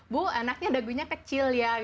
bu anaknya dagunya kecil ya